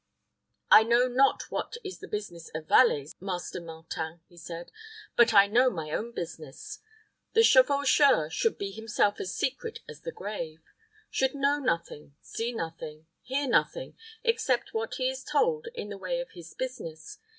"I know not what is the business of valets, Master Martin," he said; "but I know my own business. The chevaucheur should be himself as secret as the grave. Should know nothing, see nothing, hear nothing, except what he is told in the way of his business.